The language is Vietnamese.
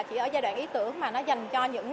chỉ ở giai đoạn ý tưởng mà nó dành cho những